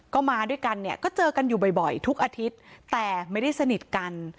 ก็มาด้วยกันเนี่ยก็เจอกันอยู่บ่อยทุกอาทิตย์แต่ไม่ได้สนิทกัน